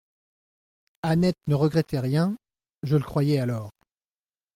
Annette ne regrettait rien : je le croyais alors.